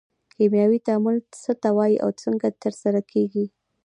کیمیاوي تعامل څه ته وایي او څنګه ترسره کیږي